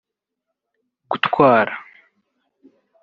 gutwara